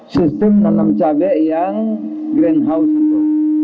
sistem nanam cabai yang greenhouse itu